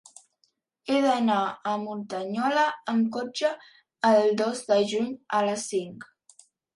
He d'anar a Muntanyola amb cotxe el dos de juny a les cinc.